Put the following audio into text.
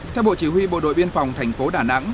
theo bộ chỉ huy bộ đội biên phòng thành phố đà nẵng